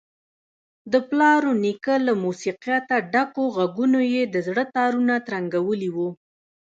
د پلار ونیکه له موسیقیته ډکو غږونو یې د زړه تارونه ترنګولي وو.